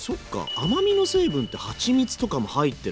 甘みの成分ってはちみつとかも入ってるんだ！